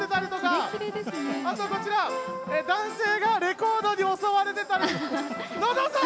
あと、こちら男性がレコードに襲われてたり野田さん！